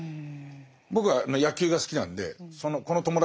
僕は野球が好きなんでこの友達関係をね